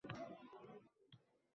Esimga tushdi…